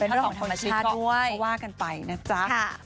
เป็นเรื่องของธรรมชิคก็ว่ากันไปนะจ๊ะ